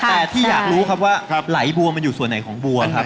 แต่ที่อยากรู้ครับว่าไหลบัวมันอยู่ส่วนไหนของบัวครับ